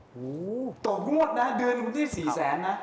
หูววววต่องวดนะเดือนตัวมึงกว่าที่สี่แสนนะ